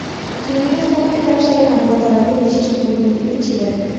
সুইডেনের স্থপতি, ব্যবসায়ী, মানবতাবাদী ও বিশিষ্ট কূটনীতিবিদ ছিলেন।